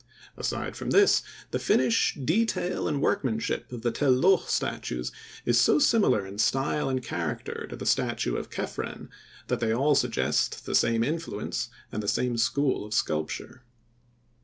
Aside from this, the finish, detail and workmanship of the Tel Loh statues is so similar in style and character to the statue of Kephren that they all suggest the same influence and the same school of sculpture.